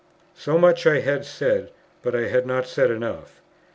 So much I had said, but I had not said enough.